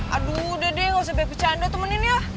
aduh udah deh gak usah biar kecanda temenin ya